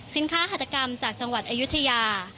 สินค้าหัตกรรมจากจังหวัดอยุธยา